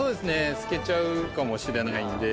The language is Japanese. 透けちゃうかもしれないので。